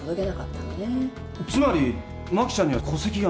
つまり真希ちゃんには戸籍がない？